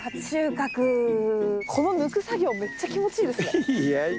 この抜く作業めっちゃ気持ちいいですね。